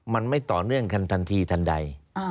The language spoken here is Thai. มันไม่ต่อเนื่องกันทันทีทันใด